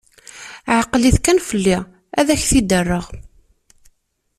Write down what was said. Ɛkel-it kan fell-i, ad k-t-id-rreɣ.